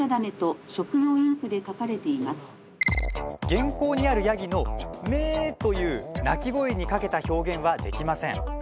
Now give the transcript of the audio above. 原稿にあるヤギのメという鳴き声にかけた表現はできません。